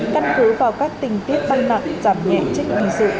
căn cứ vào các tình tiết băng nặng giảm nhẹ trích hình sự